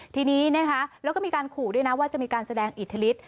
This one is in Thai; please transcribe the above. ทีนี้นะคะแล้วก็มีการขู่ด้วยนะว่าจะมีการแสดงอิทธิฤทธิ